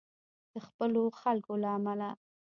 د خپلو خلکو له امله.